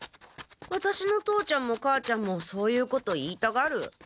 ワタシの父ちゃんも母ちゃんもそういうこと言いたがる。